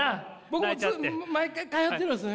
僕も毎回通ってるんです。